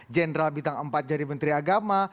jenderal bintang empat jadi menteri agama